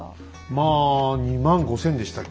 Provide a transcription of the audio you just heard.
まあ２万５，０００でしたっけ？